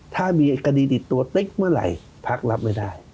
ถ้ามีคดีติดตัวติ๊กเมื่อไหร่พักรับไม่ได้